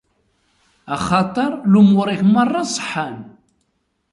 Axaṭer lumuṛ-ik merra ṣeḥḥan.